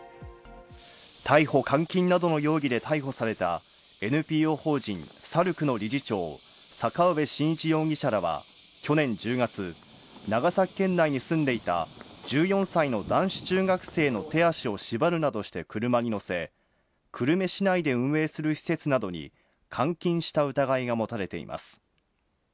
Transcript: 逮捕監禁などの容疑で逮捕されたＮＰＯ法人「さるく」の理事長・坂上慎一容疑者らは、去年１０月、長崎県内に住んでいた１４歳の男子中学生の手足を縛るなどして車に乗せ、久留米市内で運営する施設などに監禁した疑いが持たれています。